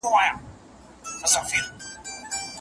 يادښت: داليست د ښاغلي پرتو نادري له پاڼې راژباړل شوی.